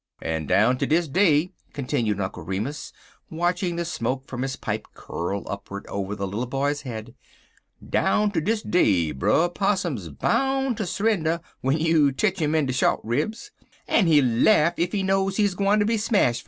"En down ter dis day" continued Uncle Remus, watching the smoke from his pipe curl upward over the little boy's head "down ter dis day, Brer Possum's bound ter s'render w'en you tech him in de short ribs, en he'll laugh ef he knows he's gwineter be smashed fer it."